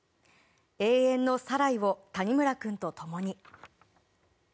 永遠の「サライ」を谷村君と共に。